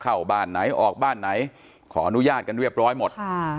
เข้าบ้านไหนออกบ้านไหนขออนุญาตกันเรียบร้อยหมด